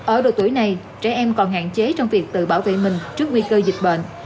ở độ tuổi này trẻ em còn hạn chế trong việc tự bảo vệ mình trước nguy cơ dịch bệnh